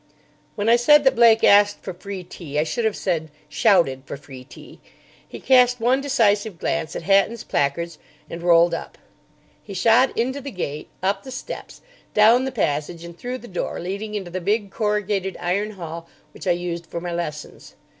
When I said that Blake asked for free tea, I should have said, shouted for free tea. He cast one decisive glance at Hatton's placards, and rolled up. He shot into the gate, up the steps, down the passage, and through the door leading into the big corrugated iron hall which I used for my lessons.